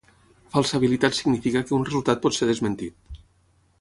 Falsabilitat significa que un resultat pot ser desmentit.